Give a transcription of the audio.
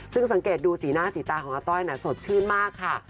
ซึ่งสังเกตดูสีหน้าสีตาของอาต้อยสดชื่นมากค่ะ